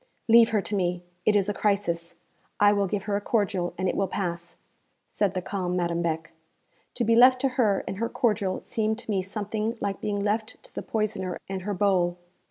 'Leave her to me; it is a crisis. I will give her a cordial, and it will pass,' said the calm Madame Beck. To be left to her and her cordial seemed to me something like being left to the poisoner and her bowl.